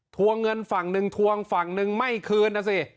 วงเงินฝั่งหนึ่งทวงฝั่งนึงไม่คืนนะสิ